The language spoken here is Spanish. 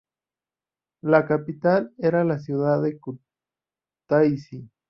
La capital era la ciudad de Kutaisi.